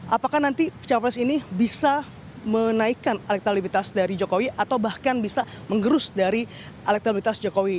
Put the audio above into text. apakah nanti cawa pres ini bisa menaikkan elektrolibitas dari jokowi atau bahkan bisa mengerus dari elektrolibitas jokowi